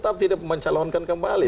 tapi kalau tidak mencalonkan kembali